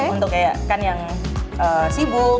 untuk kayak kan yang sibuk